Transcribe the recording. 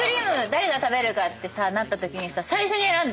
誰が食べるかってなったときに最初に選んだよね？